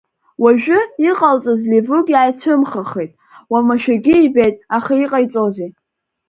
Уажәы, иҟалҵаз Ливук иааицәымӷахеит, уамашәагьы ибеит, аха иҟаиҵози.